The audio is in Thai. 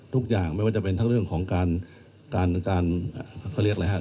ทุกอย่างไม่ว่าจะเป็นทั้งเรื่องของการการเขาเรียกอะไรฮะ